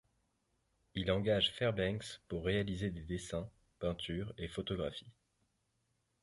Il engage Fairbanks pour réaliser des dessins, peintures et photographies.